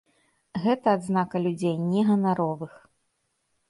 Гэта адзнака людзей не ганаровых.